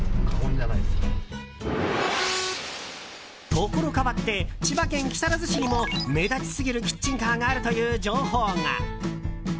ところかわって千葉県木更津市にも目立ちすぎるキッチンカーがあるという情報が。